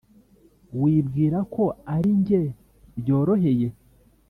wibwira ko aringe byoroheye